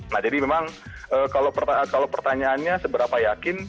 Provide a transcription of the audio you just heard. nah jadi memang kalau pertanyaannya seberapa yakin